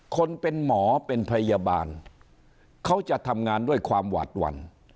คนเป็นหมอเป็นพยาบาลเขาจะทำงานด้วยความหวาดหวั่น